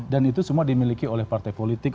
dan itu semua dimiliki oleh partai politik